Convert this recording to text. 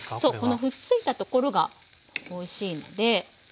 このくっついたところがおいしいのではい。